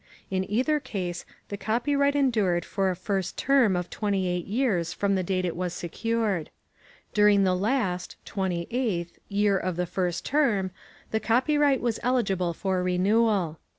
In either case, the copyright endured for a first term of 28 years from the date it was secured. During the last (28th) year of the first term, the copyright was eligible for renewal.